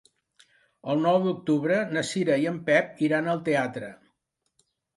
El nou d'octubre na Cira i en Pep iran al teatre.